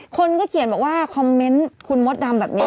คนก็เขียนบอกว่าคอมเมนต์คุณมดดำแบบนี้